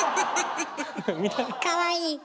かわいい。